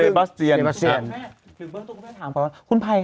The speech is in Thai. ถึงเพื่อนตรงแล้วต้องทุกคนถามของคุณไภวัน